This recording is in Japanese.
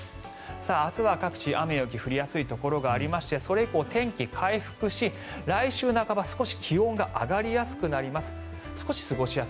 明日は各地、雨雪降りやすいところがありましてそれ以降、天気は回復し来週半ば、少し気温が上がりやすくなります。